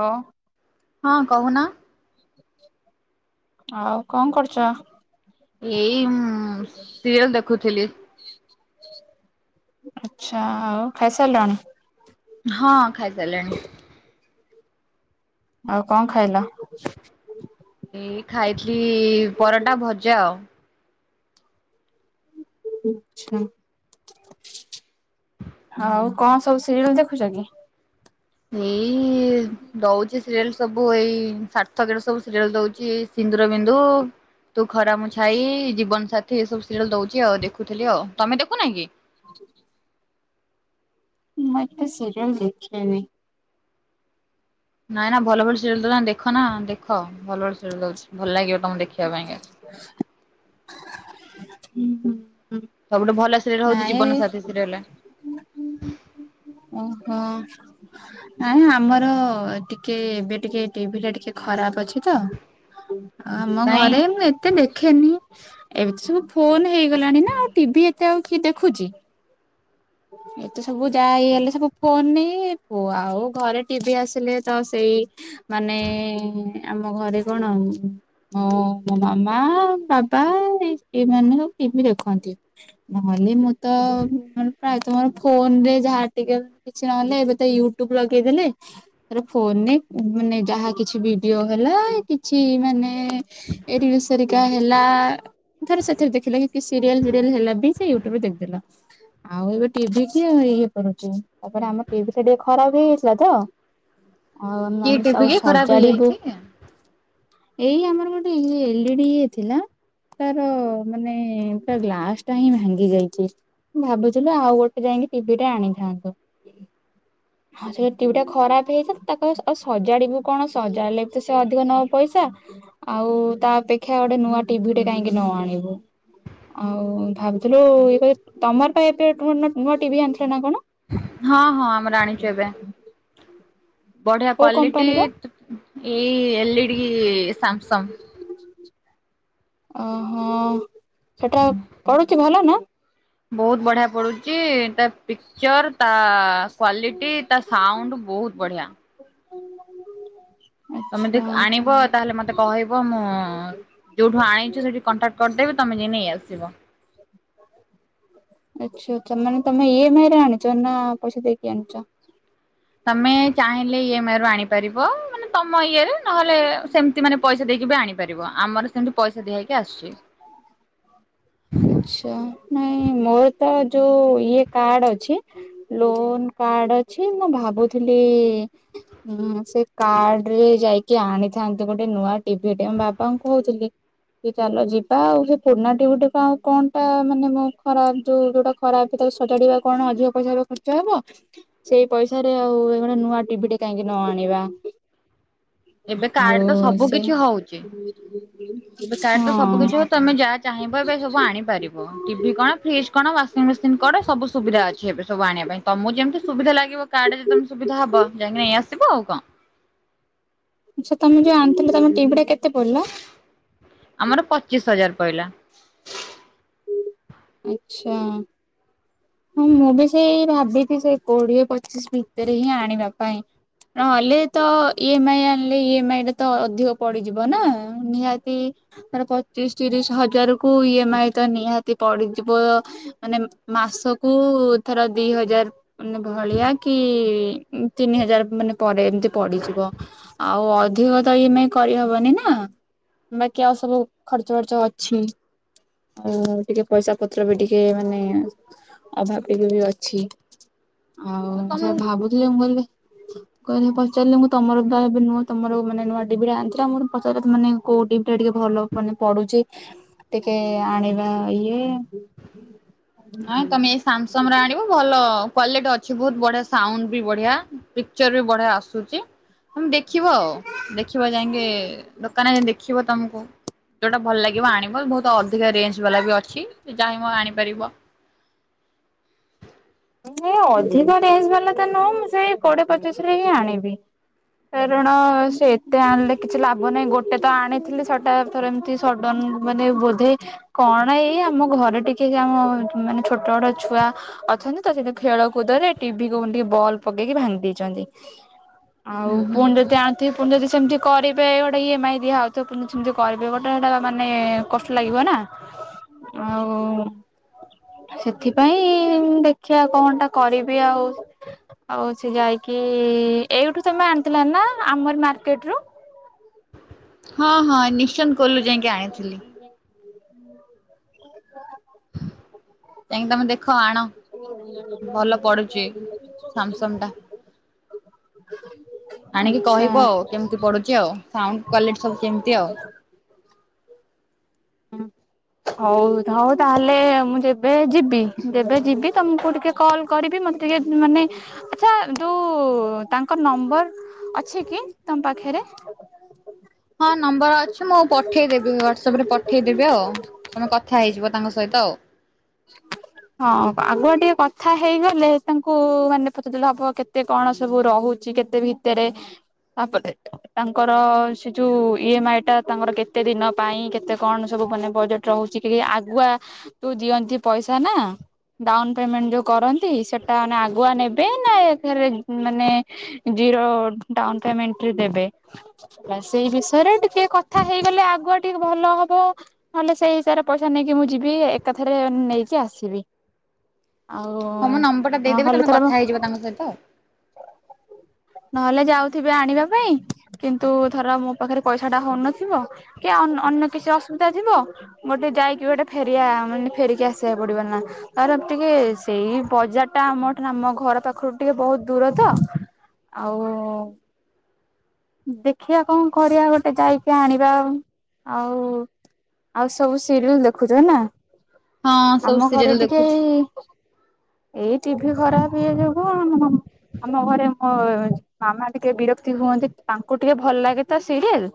ହ ହଁ କହୁନା। ଆଉ କଣ କରୁଚ? ଏଇ ସିରିଏଲ ଦେଖୁଥିଲି। ଆଛା ଆଉ ଖାଇସାଇଲଣି। ହଁ ଖାଇ ସାଇଲିଣି। ଆଉ କଣ ଖାଇଲ? ଏଇ ଖାଇଥିଲି ପରଟା ଭଜା ଆଉ। ଅଛା ଆଉ କଣ ସବୁ ସିରିଏଲ ଦେଖୁଛ କି? ଏଇ ଦଉଛି ସିରିଏଲ ସବୁ ଏଇ ସାର୍ଥ ତାଦେରେ ସବୁ ସିରିଲ ଦଉଛି ସିନ୍ଦୁର ବିନ୍ଦୁ। ତୁ ଖରା ମୁଁ ଛା, ଜୀବନ ସାଥୀ, ଏ ସବୁ ସିରିଏଲ ଦଉଛି ଆଉ ଦେଖୁଥିଲି ଆଉ ତମେ ଦେଖୁନାନାହଁକି। ଆ ମୁଁ ଏତେ ସିରିଏଲ ଦେଖିନି। ନାଇଁ ନା ଭଲ ଭଲ ସିରିଏଲ ଦଉ ଦେଖ ନା ଦେଖ ଭଲ ଭଲ ସିରିଏଲ ଦଉଛି ଭଲ ଲାଗିବ ତମେ ଦେଖିବା ପାଇଁ କା। [inaudible] ହୁଁ ହୁଁ। ସବୁଠୁ ଭଲ ସିରିଏଲ ହଉଛି ଜୀବନ ସାଥି ସିରିଏଲ। ଓ ହୋ। ନାହିଁ ଆମର ଟିକେ ଏବେ ଟିକେ ଟିଭି ଟା ଟିକେ ଖରାପ ଅଛି ତ। ଆମ କାଇଁ ଘରେ ମୁଁ ଏ ଏତେ ଦେଖେନି ଏବେତ ସବୁ ଫୋନ ହେଇଗଲାଣି ନା ଆଉ ଟିଭି ଏତେ ଆଉ କିଏ ଦେଖୁଛି। ଏତ ସବୁ ଯା ହେଇ ହେଲେ ସବୁ ଫୋନ ନେଇୁ ଆଉ ଘରେ ଟିଭି ଆସିଲେ ତ ସେଇ ମାନେ ଆମ ଘରେ କଣ? ଓ ମୋ ମାମା ବାବା ଏଇମାନେ ସବୁ ଟିଭି ଦେଖନ୍ତି। ନହେଲେ ମୁଁ ତ ପ୍ରାୟ ତମର ଫୋନ ରେ ଯାହା ଟିକେ କିଛି ନହଲେ ଏବେ ତ ୟୁଟ୍ୟୁବ ଲଗେଇଦେଲେ ତାର ଫୋନ ରେ ମାନେ ଯାହା କିଛି ଭିଡିଓ ହେଲା କିଛି ମାନେ ଏଇଠି ବେସି ରିକା ହେଲା ଥରେ ସେଥିରେ ଦେଖିଲା କି ସିରିଏଲ ଫିରିଏଲ ହେଲା ବି ସେ ୟୁଟୁବରେ ଦେଇଦେଲା ଆଉ ଏବେ ଟିଭି କିଏ ଇଏ କରୁଛି ତାପରେ ଆମ ଟିଭି ଟା ଟିକେ ଖରାପ ହେଇଯାଇଥିଲା ତ ଆଉ କି ଆମେ ଟିଭି ସବୁ କି ଖରାପ ସଜାଡିବୁ ହେଇଯାଇଛି? ଏଇ ଆମର ଗୋଟେ ଇଏ ଏଲଇଡି ଇଏ ଥିଲା ତାର ମାନେ ତା ଗ୍ଲାସ ଟା ହିଁ ଭାଙ୍ଗି ଯାଇଛି ମୁ ଭାବୁଛି ଆଉ ଗୋଟେ ଯାଇକି ଟିଭି ଟା ଆଣିଥାନ୍ତୁ [inaudible] ଆଉ ସେ ଟିଭି ଟା ଖରାପ ହେଇଛି ତାକୁ ଆଉ ସଜାଡିବୁ କଣ ସଜାଡ଼ିଲେ ବି ତ ସେ ଅଧିକ ନବ ପଇସା ଆଉ ତା ଅପେକ୍ଷା ଗୋଟେ ନୂଆ ଟିଭି ଟେ କାହିଁକି ନ ଆଣିବୁ ଆଉ ଭାବୁଥିଲୁ ଇଏ କ ତମର ପାଇଁ ଏବେ ନୂଆ ଟିଭି ଆଣିଥିଲ ନା କଣ ହଁ ହଁ ଆମର ଆଣିଛୁ ଏବେ ବଢିଆ କୋଉ କ୍ଵାଲିଟି କମ୍ପାନୀର? ଏଇ ଏଲଇଡି ସାମସଙ୍ଗ ଓହୋ ସେଇଟା ପଡ଼ୁଛି ଭଲ ନା ବହୁତ ବଢିଆ ପଡୁଛି ତା ପିକଚର ତା କ୍ଵାଲିଟି ତା ସାଉଣ୍ଡ ବହୁତ ବଢ଼ିଆ [unintelligible] ତମେ ଯଦି ଆଣିବ ତାହେଲେ ମତେ କହିବ ମୁଁ ଯୋଉଠୁ ଆଣିଛୁ ସେଇଠି କଣ୍ଟାକ୍ଟ କରିଦେବି ତମେ ଯାଇକି ନେଇ ଆସିବ ଆଚ୍ଛା ଆଛା ମାନେ ତମେ ଇ ଏମ ଆଇ ରେ ଆଣିଛ ନା ପଇସା ଦେଇକି ଆଣିଛ ତମେ ଚାହିଁଲେ ଇଏମ ଆଇ ରୁ ଆଣିପାରିବ ମାନେ ତମ ଇଏ ରେ ନହେଲେ ସେମିତି ମାନେ ପଇସା ଦେଇକି ବି ଆଣିପାରିବ ଆମର ସେମିତି ପଇସା ଦିଆ ହେଇକି ଆସିଛି ଆଛା ନାଇଁ ମୋର ତ ଯୋଉ ଇଏ କାର୍ଡ ଅଛି। ଲୋନ୍ କାର୍ଡ ଅଛି ମୁଁ ଭାବୁଥିଲି ହୁଁ ସେ କାର୍ଡରେ ଯାଇକି ଆଣିଥାନ୍ତୁ ଗୋଟେ ନୂଆ ଟିଭିଟେ ବାପାଙ୍କୁ କହୁଥିଲି କି ଚାଲ ଯିବା ଆଉ ସେ ପୁରୁଣା ଟିଭିଟାକୁ ଆଉ କଣ ଟା ମାନେ ମୋ ଖରାପ ଯୋଉ ଯୋଉଟା ଖରାପ ତାକୁ ସଜାଡିବା କଣ ଅଧିକ ପଇସା ଖର୍ଚ୍ଚ ହେବ? ସେଇ ପଇସା ରେ ଆଉ ଏ ଗୋଟେ ନୂଆ ଟିଭି ଟେ କାହିଁକି ନ ଆଣିବା ଏବେ କାର୍ଡ ଆଉ ତ ସବୁ ସେ କିଛି ହଉଛି। ଏବେ କାର୍ଡ ତ ସବୁ କିଛି ହଉ ହଁ ତମେ ଯାହା ଚାହିଁବ ଏବେ ସବୁ ଆଣିପାରିବ ଟିଭି କଣ ଫ୍ରିଜ୍ କଣ ୱାସିଂ ମେସିନ କଣ ସବୁ ସୁବିଧା ଅଛି ଏବେ ସବୁ ଆଣିବା ପାଇଁ ତମକୁ ଯେମିତି ସୁବିଧା ଲାଗିବ କାର୍ଡରେ ତମକୁ ସୁବିଧା ହବ ଯାଇକି ନେଇ ଆସିବ ଆଉ କଣ ଆଛା ତମେ ଯୋଉ ଆଣିଥିଲ ତମେ ଟିଭିଟା କେତେ ପଡିଲା ଆମର ପଚିଶ ହଜାର ପଡ଼ିଲା ଆଛା ହଁ ମୁଁ ବି ସେଇ ଭାବିଛି ସେ କୋଡିଏ ପଚିଶ ଭିତରେ ହିଁ ଆଣିବା ପାଇଁ ନ ହେଲେ ତ ଇ ଏମ ଆଇ ଆଣିଲେ ଇ ଏମ ଆଇଟା ତ ଅଧିକ ପଡିଯିବ ନା ନିହାତି ମାନେ ପଚିଶ ତିରିଶ ହଜାର କୁ ଇ ଏମ ଆଇ ତ ନିହାତି ପଡିଯିବ ମାନେ ମାସ କୁ ଥର ଦି ହଜାର ମାନେ ଭଳିଆ କି ତିନି ହଜାର ମାନେ ପରେ ଏମିତି ପଡିଯିବ ଆଉ ଅଧିକ ତ ଇ ଏମ୍ ଆଇ କରିହବନି ନା ବାକି ଆଉ ସବୁ ଖର୍ଚ ବାର୍ଚ୍ଚ ଅଛି। ଆଉ ଟିକେ ପଇସା ପତ୍ର ବି ଟିକେ ମାନେ। ଆଚ୍ଛା ଏବେ ବି ଅଛି। ଆଉ ସେଇଆ ଭାବୁଥିଲି ମୁଁ କହିଲି କହିଲେ ପଚାରିଲେ ମୁଁ ତମର ଦାଆ ଏବେ ନୁହଁ। ତମର ମାନେ ନୂଆ ଟିଭିଟେ ଆଣିଥିଲ। ମୁଁ ପଚାରିବା କଥା ମାନେ କୋଉ ଟିଭିଟା ଟିକେ ଭଲ ମାନେ ପଢୁଛି। ଟିକେ ଆଣିବା ଇଏ। ଉଁ ହୁଁ ସାମସଙ୍ଗର ଆଣି ସା ଆଣିବୁ ଭଲ କ୍ଵାଲିଟି ଅଛି ବହୁତ ବଢିଆ ସାଉଣ୍ଡ ବି ବଢିଆ ପିକ୍ଚର ବି ବଢିଆ ଆସୁଚି। ତମେ ଦେଖିବ ଆଉ ଦେଖିବ ଯାଇକି ଦୋକାନରେ ଦେଖିବ ତମକୁ। ଯୋଉଟା ଭଲ ଲାଗିବ ଆଣିବ ବହୁତ ଅଧିକା ରେଞ୍ଜ ବାଲା ବି ଅଛି। ଯାଏ ଚାହିଁବ ଆଣିପାରିବ। ମୁଁ ଅଧିକ ରେଞ୍ଜ ବାଲା ତ ନୁହଁ। ମୁଁ ସେଇ କୋଡ଼ିଏ ପଚିଶିରେ ହିଁ ଆଣିବି। କାରଣ ସେ ଏତେ ଆଣିଲେ କିଛି ଲାଭ ନାହିଁ। ଗୋଟେ ତ ଆଣିଥିଲି ସେଟା ଥରେ ଏମିତି ସଡନ୍ ମାନେ ବୋଧେ କଣ ଏଇ ଆମ ଘରେ ଟିକେକି ଆମ ମାନେ ଛୋଟ ବଡ଼ ଛୁଆ ଅଛନ୍ତି। ତ ସେ ଖେଳକୁଦରେ ଟିଭିକୁ ଟିକେ ବଲ୍ ପକେଇକି ଭାଙ୍ଗି ଦେଇଛନ୍ତି। ଆଉ ହୁଁ ହୁଁ ପୁଣି ଯଦି ଆ ଥିବେ ପୁଣି ଯଦି ସେମିତି କରିପାରିବ ଗୋଟେ ଇ ଏମ୍ ଆଇ ଦିଆହେଉଥିବ ପୁଣି ସେମିତି କରିବେ ଗୋଟେ ସେଇଟା ମାନେ କଷ୍ଟ ଲାଗିବ ନାଁ। ହ [inaudible] ଆଉ ସେଥିପାଇଁ ଦେଖ୍ ଦେଖିଆ କଣଟା କରିବି ଆଉ। ଆଉ ସେ ଯାଇକି ଏଇଠୁ ତମେ ଆଣିଥିଲ ନା ଆମରି ମାର୍କେଟରୁ। ହଁ ହଁ ନିଶନ୍ କୋଲୁ ଯାଇକି ଆଣିଥିଲି। ଯାଇକି ତମେ ଦେଖ୍ ପଡୁଛି ଓ ସାମସଙ୍ଗ ଟା [inaudible] ଆଣିକି କହିବ ଆଉ କେମିତି ପଡୁଚି ଆଉ। ସାଉଣ୍ଡ କ୍ଵାଲିଟି ସବୁ କେମିତି ଆଉ। [inaudible] ହଉ ହଉ ତାହେଲେ ମୁଁ ଯେବେ ଯିବି ଯେବେ ଯିବି ତମକୁ ଟିକେ କଲ୍ କରିବି ମତେ ଟିକେ ମାନେ ଆଚ୍ଛା ଯୋଉ ତାଙ୍କ ନମ୍ବର ଅଛି କି ତମ ପାଖରେ। [inaudible] ହଁ ନମ୍ବର ଅଛି ମୁଁ ପଠେଇଦେବି ହ୍ୱାଟସଆପରେ ପଠେଇଦେବି ଆଉ। ଆପଣ କଥା ହେଇଯିବ ତାଙ୍କ ମୋ ସହିତ ଆଉ। [inaudible] ହଁ ଆଗୁଆ ଟିକେ କଥା ହେଇଗଲେ। ତାଙ୍କୁ ମାନେ ପଚାରିଦେଲେ ହବ କେତେ କଣ ସବୁ ରହୁ ଚି କେତେ ବି ଭିତରେ ତାପରେ ତାଙ୍କର ସେ ଯୋଉ ଇ ଏମ୍ ଆଇଟା ତାଙ୍କର କେତେ ଦିନ ପାଇଁ କେତେ କଣ ସବୁ ମାନେ ବଜେଟ୍ ରହୁଚି କି ଆଗୁଆ ସବୁ ଦିଅନ୍ତି ପଇସା ନାଁ। ଡାଉନ୍ ପେମେଣ୍ଟ ଯୋଉ କରନ୍ତି। ସେଟା ମାନେ ଆଗୁଆ ନେବେ ନା ଏକାଥରେ ମାନେ ଜିରୋ ଡାଉନ୍ ପେମେଣ୍ଟରେ ଦେବେ। ପ୍ରାୟ ସେଇ ବିଷୟରେ ଟିକେ କଥା ହେଇଗଲେ ଆଗୁଆ ଟିକେ ଭଲ ହବ। ନହେଲେ ସେଇ ହିସାବରେ ପଇସା ନେଇକି ମୁଁ ଯିବି ଏକାଥରେ ନେଇକି ଆସିବି। ଆଉ ହଁ ମୋ ନମ୍ବରଟା ଦେଇଦେବି ନହେଲେ ତମେ ଥର କଥା ହେଇଯିବ ତାଙ୍କ ସହିତ। ନହେଲେ ଯାଉଥିବି ଆଣିବା ପାଇଁ କିନ୍ତୁ ଧର ମୋ ପାଖରେ ପଇସାଟା ହଉନଥିବ। କି ଅନ୍ ଅନ୍ୟ କିଛି ଅସୁବିଧା ଥିବ। ଗୋଟେ ଯାଇକି ଗୋଟେ ଫେରିବା ମାନେ ଫେରିକି ଆସିବାକୁ ପଡ଼ିବ ନାଁ। ଆରବ ଟିକେ ସେଇ ବଜାରଟା ଆମ ଟାମ ଘର ପାଖରୁ ଟିକେ ବହୁତ ଦୂର ତ। ଆଉ ଦେଖିବା କଣ କରିବା ଗୋଟେ ଯାଇକି ଆଣିବା ଆଉ। ଆଉ ଆଉ ସବୁ ସିରିଏଲ ଦେଖୁଛନ୍ତି ନା। ଆଉ ହଁ ସବୁ ଆମ ଘରେ ସିରିଏଲ ଟିକେ ଦେଖୁଛି ଏଇ ଏଇ ଟିଭି ଖରାପ ଇଏ ଯୋଗୁ ଆମ ଘରେ ମୋ ମାମା ଟିକେ ବିରକ୍ତି ହୁଅନ୍ତି। ତାଙ୍କୁ ଟିକେ ଭଲ ଲାଗେ ତ ସିରିଏଲ।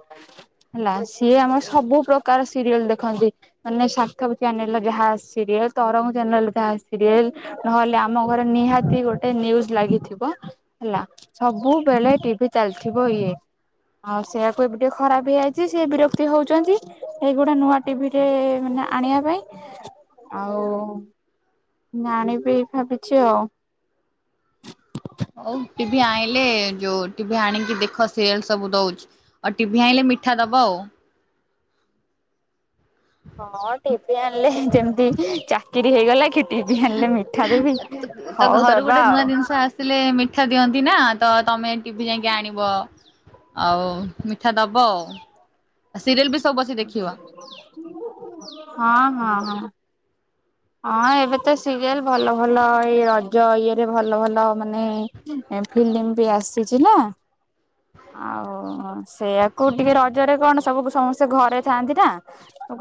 ହେଲା ସିଏ ଆମର ସବୁ ପ୍ରକାର ସିରିଏଲ ଦେଖନ୍ତି। ମାନେ ସାର୍ଥକ ଚ୍ୟାନେଲ ର ଯାହା ସିରିଏଲ, ତରଙ୍ଗ ଚ୍ୟାନେଲର ଯାହା ସିରିଏଲ। ନହେଲେ ଆମ ଘରେ ନିହାତି ଗୋଟେ ନିୟୁଜ୍ ଲାଗିଥିବ। ହେଲା। ସବୁବେଳେ ଟିଭିି ଚାଲିଥିବ ଇଏ। ଆଉ ସେଇଆକୁ ଏବେ ଟିକେ ଖରାପ ହେଇଯାଇଛି ସେ ବିରକ୍ତି ହଉଛନ୍ତି। ଏଇ ଗୋଟେ ନୂଆ ଟିଭି ଟେ ମାନେ ଆଣିବା ପାଇଁ। ଆଉ ଆଣିବି ଭାବିଛି ଆଉ। ହଉ ଟିଭି ଆଣିଲେ ଯୋଉ ଟିଭି ଆଣିକି ଦେଖ, ସିରିଏଲ ସବୁ ଦଉଛି। ଆଉ ଟିଭିି ଆଣିଲେ ମିଠା ଦେବ ଆଉ। ହଁ, ଟିଭି ଆଣିଲେ ଯେମିତି ଚାକିରି ହେଇଗଲା କି? ଟିଭି ଆଣିଲେ ମିଠା ଦେବି। ହଉ ଦବା ଆଉ। ହେଲେ ମିଠା ଦିଅନ୍ତି ନା, ତ ତମେ ଟିଭି ଯାଇଁକି ଆଣିବ। ଆଉ ମିଠା ଦବ ଆଉ। ଆଉ ସିରିଏଲ ବି ସବୁ ଦେଖିବ। ହଁ ହଁ ହଁ। ହଁ, ଏବେ ତ ସିରିଏଲ ଭଲ ଭଲ ଏଇ ରଜ ଇଏରେ ଭଲ ଭଲ ମାନେ ଏ ଫିଲ୍ମ ବି ଆସ୍ ଆସିଛିନା। ଆଉ ସେୟାକୁ ଟିକେ ରଜରେ କଣ ସବୁ ସବୁଠୁ ସମ ଘରେ ଥାଆନ୍ତି ନା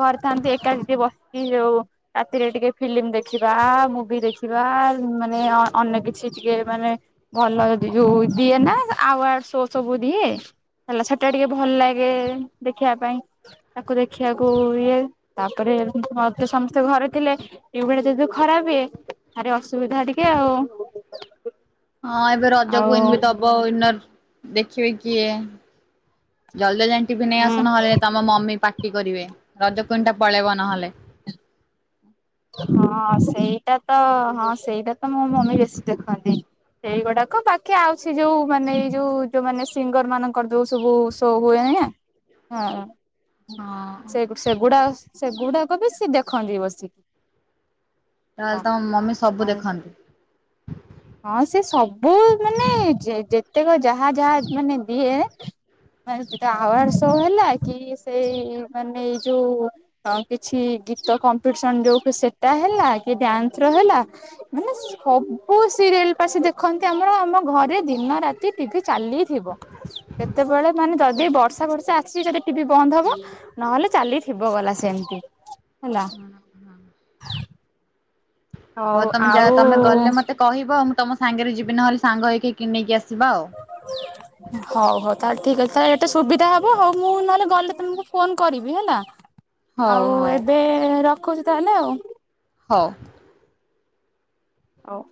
ଘରେ ଥାନ୍ତି ଏକାଠି ଟିକେ ବସିକି ଯୋଉ ରାତିରେ ଟିକେ ଫିଲ୍ମ ଦେଖିବା, ମୁଭି ଦେଖି ବା ମାନେ ଅନ୍ୟ କିଛି ଟିକେ ମାନେ ଯୋଉ ଦିଏ ନା ଆୱାଡ ସୋ ସବୁ ଦିଏ। ହେଲା, ସେଟା ଟିକେ ଭଲ ଲାଗେ ଦେଖିବା ପାଇଁ। ତାକୁ ଦେଖିବାକୁ ଇଏ, ତାପରେ ମତେ ସମସ୍ତେ ଘରେ ଥିଲେ ଏଇ ଭଳିଆ ଯଦି ଖରାପ ହୁଏ ଭାରି ଅସୁବିଧା ଟିକେ ଆଉ। ହଁ ଏବେ ରଜ ଆଉ କ୍ୱିନ୍ ବି ଦବ। ୱିନର ଦେଖିବେ କିଏ? ଜଲଦି ଜାଇଁକି ଟିଭି ନେଇ ହୁଁ। ଆସ। ନହେଲେ ତମ ମମି ପାଟି କରିବେ, ରଜ କୁଇନ୍ ଟା ପଳେଇବ ନହେଲେ। ହଁ ସେଇଟା ତ, ହଁ ସେଇଟା ତ ମୋ ମମି ବେଶୀ ଦେଖନ୍ତି। ସେଇଗୁଡାକ ବାକି ଆଉ ସେଇଯୋଉ ମାନେ ଏଇ ଯୋଉ ଯୋଉ ମାନେ ସିଙ୍ଗର ମାନଙ୍କର ଯୋଉ ସବୁ ଶୋ ହୁଏନି ନା, ହଁ। ହଁ ସେଗ୍ ସେଗୁଡା ସେଗୁଡାକ ବି ସେ ଦେଖନ୍ତି ବସିକି। ତାହେଲେ ତମ ମମି ସବୁ ଦେଖନ୍ତି। ହଁ ସେ ସବୁ ମାନେ ଯେତେକ ଯାହା ଯାହା ମାନେ ଦିଏ ମାନେ ଯେତେ ଆୱାଡ୍ ଶୋ ହେଲା କି ସେଇ ମାନେ ଏଇ ଯୋଉ ଡ କିଛି ଗୀତ କମ୍ପିଟିସନ ଯୋଉ ସେଟା ହେଲା କି ଡ୍ୟାନ୍ସ ର ହେଲା। ମାନେ ସବୁ ସିରିଏଲ ପା ସିଏ ଦେଖନ୍ତି ଆମର, ଆମ ଘରେ ଦିନ ରାତି ଟିଭି ଚାଲିଥିବ। କେତେବେଳେ ମାନେ ଯଦି ବର୍ଷା ଫର୍ଷା ଆସିଛି ଯଦି ଟିଭି ବନ୍ଦ ହବ। ନହେଲେ ଚାଲିଥିବ ଗଲା ସେମତି ହେଲା। ହଉ ତମେ ଯା, ତମେ ଗଲେ ମତେ କହିବ ମୁଁ ତମ ସାଙ୍ଗରେ ଯିବି ନହେଲେ ସାଙ୍ଗ ହେଇକି କି ନେଇକି ଆସିବା ଆଉ। ହଉ ହଉ ତାହେଲେ ଠିକ୍ ଅଛି ତାଲେ ଏଟେ ସୁବିଧା ହବ। ହଉ ମୁଁ ନହେଲେ ଗଲେ ତମକୁ ଫୋନ୍ କରିବି ହେଲା। ହ ଆଉ ଏବେ ରଖୁଛି ତାହେଲେ ଆଉ। ହଉ। ହଉ।